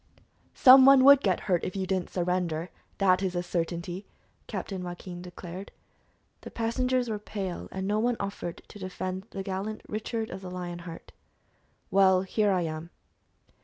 "Some one would get hurt if you didn't surrender, that is a certainty," Captain Joaquin declared. The passengers were pale, and no one offered to defend the gallant Richard of the Lion Heart. "Well, here I am."